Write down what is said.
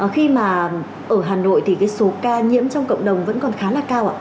khi mà ở hà nội thì cái số ca nhiễm trong cộng đồng vẫn còn khá là cao ạ